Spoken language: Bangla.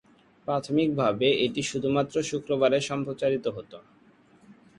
প্রাথমিকভাবে এটি শুধুমাত্র শুক্রবারে সম্প্রচারিত হত।